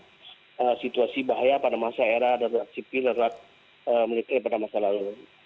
jadi situasi bahaya pada masa era darurat sipil darurat militer pada masa lalu